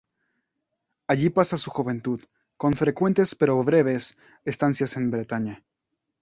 Allí pasa su juventud, con frecuentes pero breves estancias en Bretaña.